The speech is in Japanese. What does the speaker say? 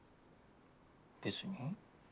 別に。